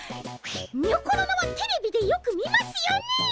にょころのはテレビでよく見ますよねえ。